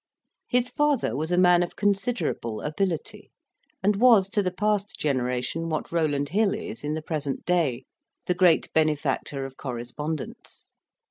His father was a man of considerable ability, and was to the past generation what Rowland Hill is in the present day the great benefactor of correspondents.